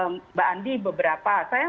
mbak andi beberapa saya